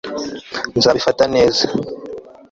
Nzabifata neza